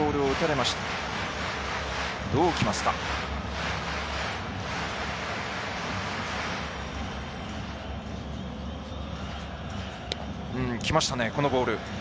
きましたね、このボール。